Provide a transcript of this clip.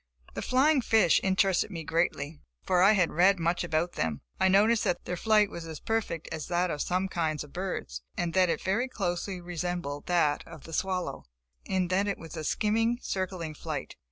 The flying fish interested me greatly, for I had read much about them. I noticed that their flight was as perfect as that of some kinds of birds, and that it very closely resembled that of the swallow, in that it was a skimming, circling flight.